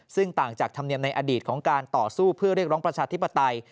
ซึ่งต่างจากธรรมเนียมในอดีตของการต่อสู้เพื่อเรียกร้องประชาธิปไตย